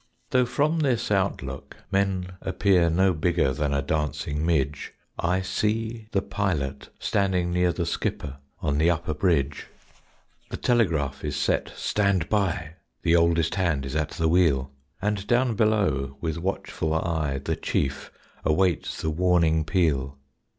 Though from this outlook men appear No bigger than a dancing midge, I see the pilot standing near The skipper on the upper bridge. The telegraph is set "stand by"; The oldest hand is at the wheel; And down below with watchful eye The Chief awaits the warning peal.